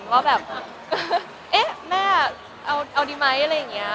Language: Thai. ว่าแบบเอ๊ะแม่เอาดีไหมอะไรอย่างนี้